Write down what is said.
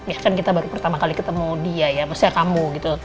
ya kan kita baru pertama kali ketemu dia ya maksudnya kamu gitu